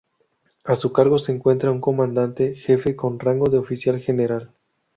A su cargo se encuentra un Comandante Jefe con rango de oficial general.